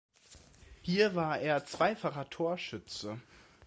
Hier war er zweifacher Torschütze.